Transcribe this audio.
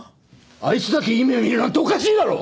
あいつだけいい目を見るなんておかしいだろ！